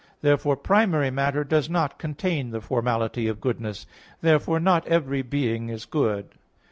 Therefore primary matter does not contain the formality of goodness. Therefore not every being is good.